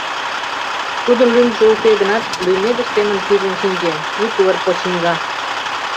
Тудын лӱмжӧ уке гынат, лӱмедыш семын пижын шинче: «Микывыр почиҥга».